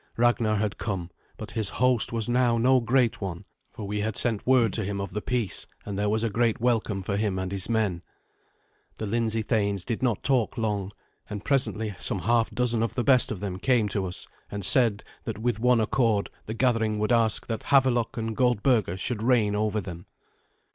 Ragnar had come; but his host was now no great one, for we had sent word to him of the peace, and there was a great welcome for him and his men. The Lindsey thanes did not talk long, and presently some half dozen of the best of them came to us, and said that with one accord the gathering would ask that Havelok and Goldberga should reign over them.